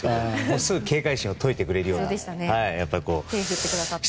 すぐ警戒心を解いてくれるような。